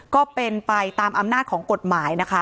ก็เป็นไปตามอำนาจของกฎหมายนะคะ